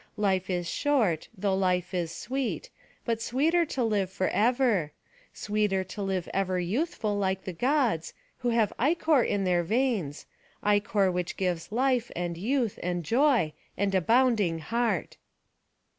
Life is short, though life is sweet; but sweeter to live forever; sweeter to live ever youthful like the Gods, who have ichor in their veins; ichor which gives life, and youth, and joy, and a bounding heart."